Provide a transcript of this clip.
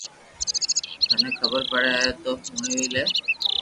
ٿني خبر پڙي ھي تو ھڻَو وي لي